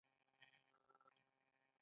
آیا ډیری نفوس یې په ښارونو کې نه دی؟